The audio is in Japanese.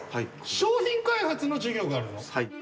商品開発の授業があるの？